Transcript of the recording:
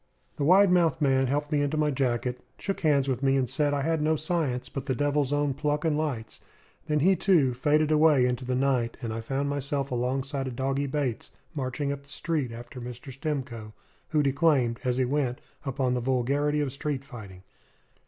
The wide mouthed man helped me into my jacket, shook hands with me, and said I had no science, but the devil's own pluck and lights. Then he, too, faded away into the night; and I found myself alongside of Doggy Bates, marching up the street after Mr. Stimcoe, who declaimed, as he went, upon the vulgarity of street fighting.